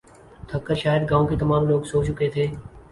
تھک کر شاید گاؤں کے تمام لوگ سو چکے تھے